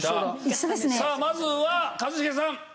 さあまずは一茂さん。